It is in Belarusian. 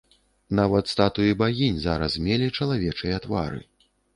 Нават статуі багінь зараз мелі чалавечыя твары.